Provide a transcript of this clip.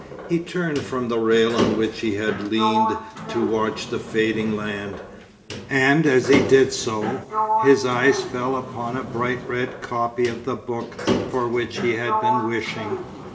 He turned from the rail on which he had leaned to watch the fading land, and as he did so, his eyes fell upon a bright red copy of the book for which he had been wishing.